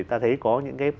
ta thấy có những cái